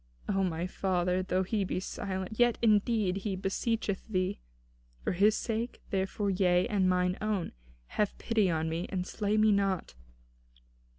O my father, though he be silent, yet, indeed, he beseecheth thee. For his sake, therefore, yea, and for mine own, have pity upon me, and slay me not."